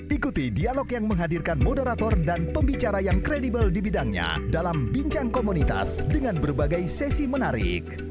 ikuti dialog yang menghadirkan moderator dan pembicara yang kredibel di bidangnya dalam bincang komunitas dengan berbagai sesi menarik